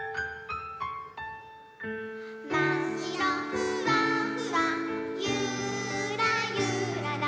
「まっしろふわふわゆーらゆらら」